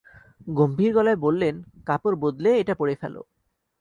গম্ভীর গলায় বললেন, কাপড় বদলে এটা পরে ফেল।